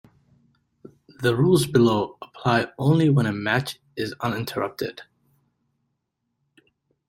The rules below apply only when a match is uninterrupted.